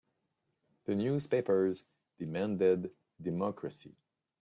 The newspapers demanded democracy.